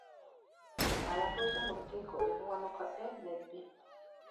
Abatuuze mu lukiiko e Buwanuka A ne B.